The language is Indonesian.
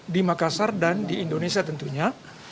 di makassar dan di indonesia tentunya